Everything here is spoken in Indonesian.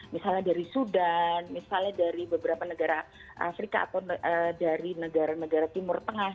misalnya dari sudan misalnya dari beberapa negara afrika atau dari negara negara timur tengah